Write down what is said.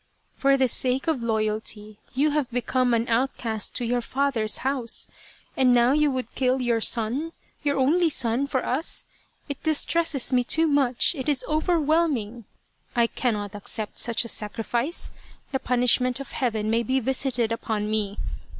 " For sake of loyalty you have become an outcast to your father's house, and now you would kill your son, your only son, for us it distresses me too much it is overwhelming. I cannot accept such a sacrifice ! The punishment of Heaven may be visited upon me.